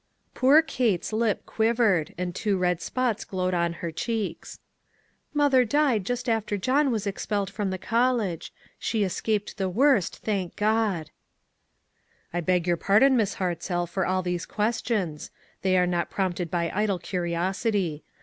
Poor Kate's lip quivered, and two red spots glowed on her cheeks. " Mother died just after John was ex pelled from the college. She escaped the worst, thank God!" " I beg your pardon, Miss Hartzell, for all these questions ; they are not prompted by idle curiosity.